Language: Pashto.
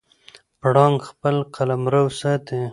پړانګ خپل قلمرو ساتي.